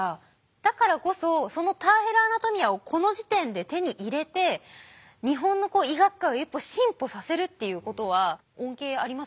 だからこそその「ターヘル・アナトミア」をこの時点で手に入れて日本の医学界を一歩進歩させるっていうことは恩恵ありますもんね。